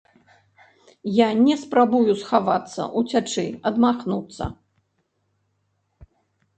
Я не спрабую схавацца, уцячы, адмахнуцца!